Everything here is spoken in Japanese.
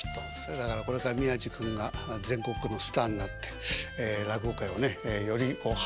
だからこれから宮治君が全国区のスターになって落語界をねより発展さしてもらえるように。